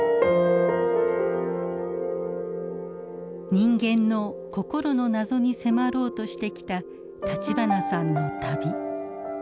人間の心の謎に迫ろうとしてきた立花さんの旅。